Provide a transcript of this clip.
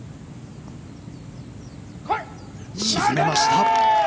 沈めました。